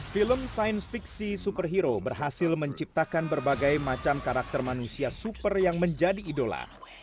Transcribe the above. film science fiksi superhero berhasil menciptakan berbagai macam karakter manusia super yang menjadi idola